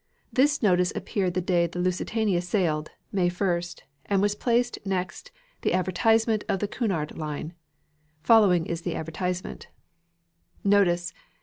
This notice appeared the day the Lusitania sailed, May 1st, and was placed next the advertisement of the Cunard Line. Following is the advertisement: NOTICE!